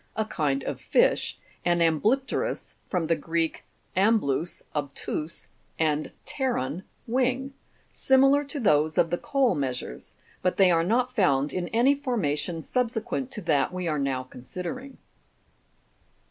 a kind of fish), and ambly'pterm, (from the Greek, amblus, obtuse, and pteron, wing), similar to those of the coal measures ; but they are not found in any formation subsequent to that we are now con sidering.